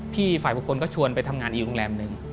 ฝ่ายบุคคลก็ชวนไปทำงานอีกโรงแรมหนึ่ง